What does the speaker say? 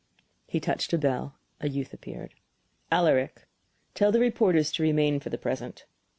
He touched a bell; a youth appeared. "Alaric, tell the reporters to remain for the present."